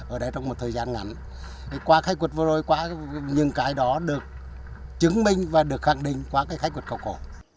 ở đây trong một thời gian ngắn qua khai quật vừa rồi qua những cái đó được chứng minh và được khẳng định qua cái khai quật khảo cổ